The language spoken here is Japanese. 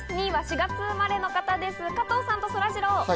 ２位は４月生まれの方、加藤さんとそらジロー。